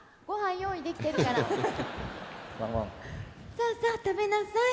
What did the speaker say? さあさあ食べなさい。